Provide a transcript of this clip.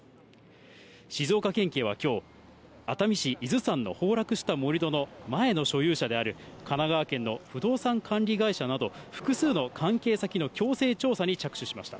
静岡県警はきょう、熱海市伊豆山の崩落した盛り土の前の所有者である、神奈川県の不動産管理会社など、複数の関係先の強制調査に着手しました。